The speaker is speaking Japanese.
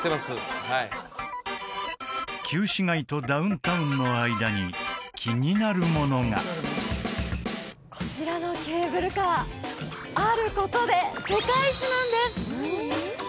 旧市街とダウンタウンの間に気になるものがこちらのケーブルカーあることで世界一なんです